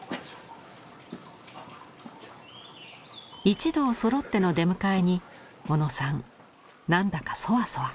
一同そろっての出迎えに小野さん何だかそわそわ。